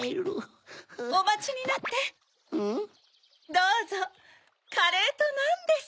どうぞカレーとナンです。